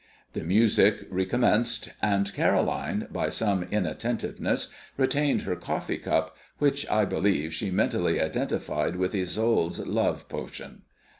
The music recommenced, and Caroline, by some inattentiveness, retained her coffee cup, which I believe she mentally identified with Isolde's love potion.